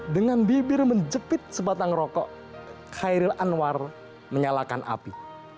dengan bibir menjepit sebatang rokok khairil anwar menyalakan api